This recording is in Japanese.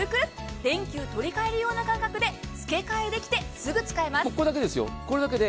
電球を取り替える感覚で付け替えできてすぐ使えます。